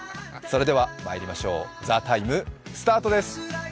それではまいりましょう「ＴＨＥＴＩＭＥ，」スタートです。